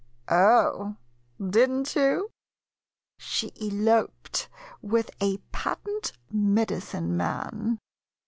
Oh, did n't you ? She eloped with a patent medicine man.